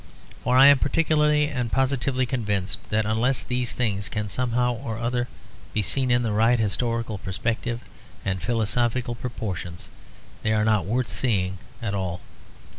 For I am particularly and positively convinced that unless these things can somehow or other be seen in the right historical perspective and philosophical proportion, they are not worth seeing at all.